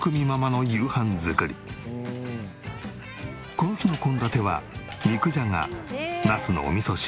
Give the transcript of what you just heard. この日の献立は肉じゃがナスのお味噌汁。